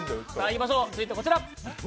続いてこちら。